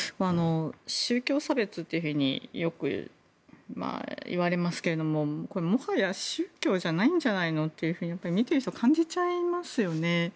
宗教差別というふうによくいわれますけれどももはや宗教じゃないんじゃないのって見ている人は感じちゃいますよね。